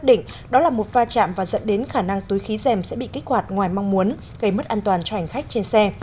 hộp điều khiển tươi khí trung tâm có thể xác định đó là một pha chạm và dẫn đến khả năng tươi khí dèm sẽ bị kích hoạt ngoài mong muốn gây mất an toàn cho hành khách trên xe